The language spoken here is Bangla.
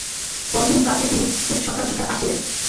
পরদিন প্রাতে তিনি খুব সকাল সকাল আসিলেন।